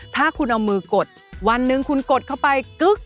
ถ้าคุณเอามือกดวันหนึ่งคุณกดเข้าไปกึ๊ก